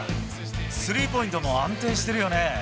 スリーポイントも安定してるよね。